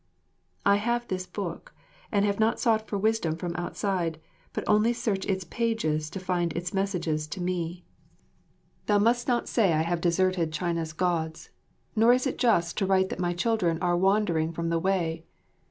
I have this book, and have not sought for wisdom from outside, but only search its pages to find its messages to me. Thou must not say I have deserted China's Gods, nor is it just to write that my children are wandering from the Way.